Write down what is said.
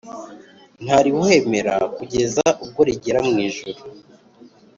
ntarihwemera kugeza ubwo rigera mu ijuru;